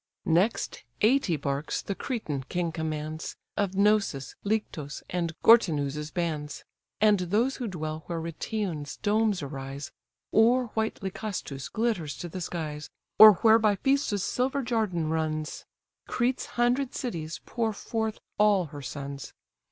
Next, eighty barks the Cretan king commands, Of Gnossus, Lyctus, and Gortyna's bands; And those who dwell where Rhytion's domes arise, Or white Lycastus glitters to the skies, Or where by Phæstus silver Jardan runs; Crete's hundred cities pour forth all her sons.